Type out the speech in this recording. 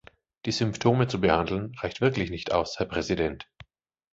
Die Symptome zu behandeln, reicht wirklich nicht aus, Herr Präsident.